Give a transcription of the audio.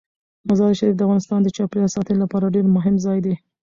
مزارشریف د افغانستان د چاپیریال ساتنې لپاره ډیر مهم ځای دی.